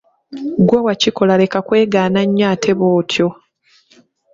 Gwe wakikola leeka kwegaana nnyo ate bwotyo.